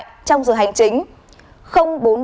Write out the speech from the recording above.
trong giờ hành chính